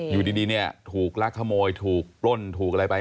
อยู่ดีถูกล่าขโมยถูกปล้นถูกอะไรไป